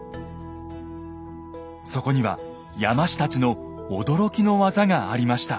そこには山師たちの驚きの技がありました。